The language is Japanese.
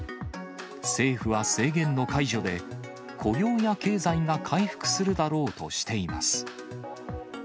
政府は制限の解除で、雇用や経済が回復するだろうとしています。